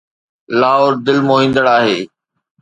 لاهور دل موهيندڙ آهي.